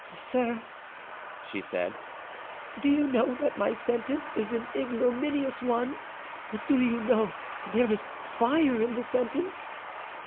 "Sir," she said, "do you know that my sentence is an ignominious one? Do you know there is fire in the sentence?"